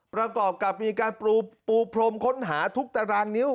ประกอบกับมีการปูพรมค้นหาทุกตารางนิ้ว